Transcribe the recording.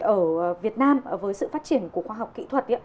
ở việt nam với sự phát triển của khoa học kỹ thuật